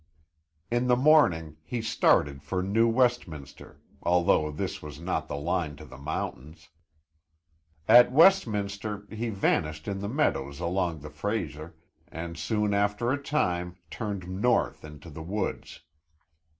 In the morning he started for New Westminster, although this was not the line to the mountains. At Westminster he vanished in the meadows along the Fraser, and after a time turned north into the woods.